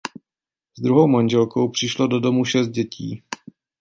S druhou manželkou přišlo do domu šest dětí.